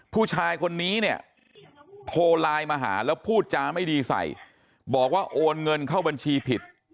ผู้ชายคนนี้เนี่ยโทรไลน์มาหาแล้วพูดจาไม่ดีใส่บอกว่าโอนเงินเข้าบัญชีผิด